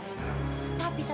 kalau kamu kedepannya